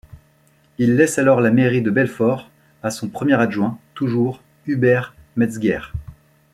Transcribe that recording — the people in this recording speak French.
Il laisse alors la mairie de Belfort à son premier adjoint, toujours Hubert Metzger.